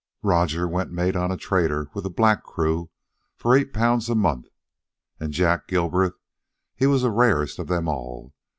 Roger went mate on a trader with a black crew, for eight pounds a month. And Jack Gilbraith he was the rarest of them all.